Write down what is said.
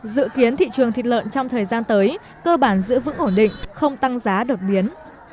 dự kiến thị trường thịt lợn trong thời gian tới cơ bản giữ vững ổn định không tăng giá đột biến